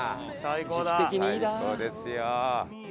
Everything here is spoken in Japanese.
最高ですよ。